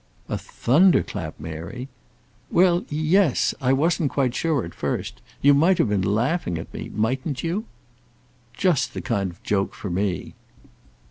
"A thunderclap, Mary!" "Well; yes. I wasn't quite sure at first. You might have been laughing at me; mightn't you?" "Just the kind of joke for me!"